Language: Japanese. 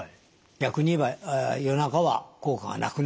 逆に言えば夜中は効果がなくなるというものです。